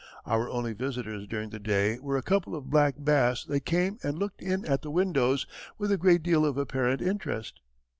Our only visitors during the day were a couple of black bass that came and looked in at the windows with a great deal of apparent interest.